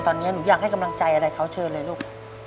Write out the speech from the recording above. ตอนนี้หนูอยากให้กำลังใจอะไรเขาเชิญเลยลูก